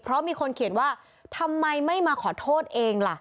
เพราะมีคนเขียนว่าทำไมไม่มาขอโทษเองล่ะ